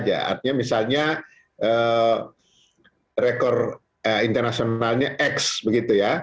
artinya misalnya rekor internasionalnya x begitu ya